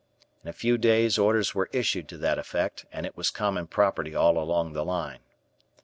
In a few days orders were issued to that effect, and it was common property all along the line.